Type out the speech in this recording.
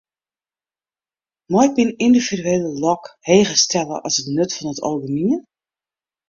Mei ik myn yndividuele lok heger stelle as it nut fan it algemien?